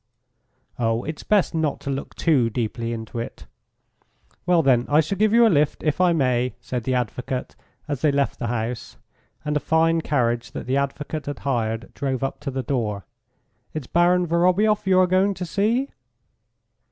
"Oh, it's best not to look too deeply into it. Well, then, I shall give you a lift, if I may," said the advocate, as they left the house, and a fine carriage that the advocate had hired drove up to the door. "It's Baron Vorobioff you are going to see?"